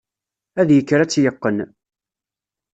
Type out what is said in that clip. Ad yekker ad tt-yeqqen.